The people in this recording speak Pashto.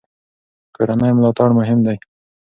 کورنۍ ملاتړ مهم دی.